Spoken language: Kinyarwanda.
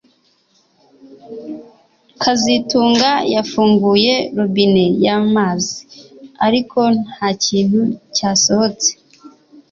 kazitunga yafunguye robine yamazi ariko ntakintu cyasohotse